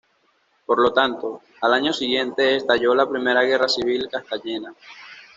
Por lo tanto, al año siguiente estalló la Primera Guerra Civil Castellana.